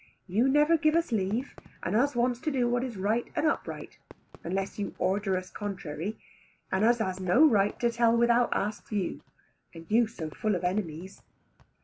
You never give us leave, and us wants to do what is right and upright, unless you order us contrary, and us has no right to tell without ask you, and you so full of enemies.